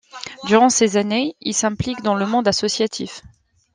Durant ces années, il s'implique dans le monde associatif.